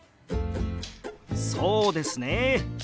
そうですね